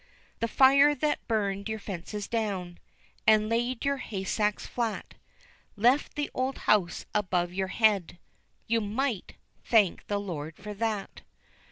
The fire that burned your fences down, And laid your haystacks flat, Left the old house above your head, You might thank the Lord for that.